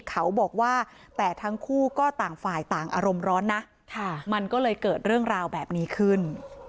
เขาบอกว่าแต่ทั้งคู่ก็ต่างฝ่ายต่างอารมณ์ร้อนนะมันก็เลยเกิดเรื่องราวแบบนี้ขึ้น